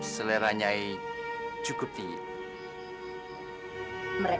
sepertinya seperti ini